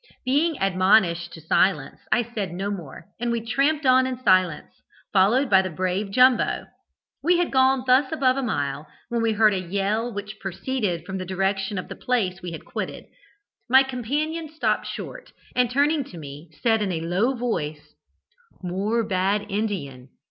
"Being admonished to silence I said no more, and we tramped on in silence, followed by the brave Jumbo. We had gone thus above a mile, when we heard a yell which proceeded from the direction of the place we had quitted. My companion stopped short, and turning to me, said, in a low voice: "'More bad Indian.